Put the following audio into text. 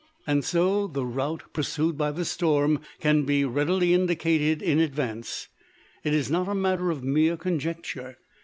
And so the route pursued by any storm can be readily indicated in advance. It is not a matter of mere conjecture.